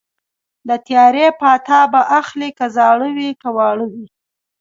د تیارې پاتا به اخلي که زاړه وي که واړه وي